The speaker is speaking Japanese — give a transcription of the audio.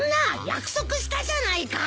約束したじゃないか！